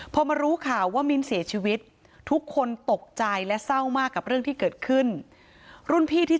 พอมารู้ข่าวว่ามิ้นเสียชีวิตทุกคนตกใจและเศร้ามากกับเรื่องที่เกิดขึ้นรุ่นพี่ที่